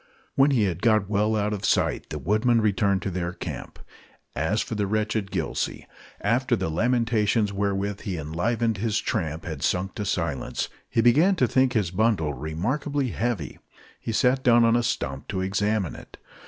When he had got well out of sight the woodmen returned to their camp. As for the wretched Gillsey, after the lamentations wherewith he enlivened his tramp had sunk to silence, he began to think his bundle remarkably heavy. He sat down on a stump to examine it.